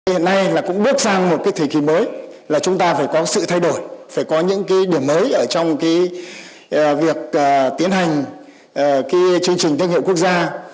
hiện nay cũng bước sang một thời kỳ mới chúng ta phải có sự thay đổi phải có những điểm mới trong việc tiến hành chương trình thương hiệu quốc gia